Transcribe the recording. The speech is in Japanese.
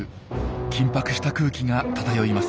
緊迫した空気が漂います。